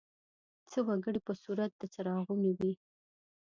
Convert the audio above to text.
څه وګړي په صورت د څراغونو وي.